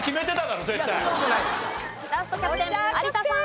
ラストキャプテン有田さん。